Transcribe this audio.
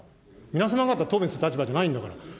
皆様方、答弁する立場じゃないんだから。